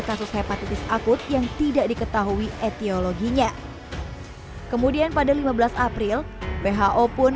kasus hepatitis akut yang tidak diketahui etiologinya kemudian pada lima belas april who pun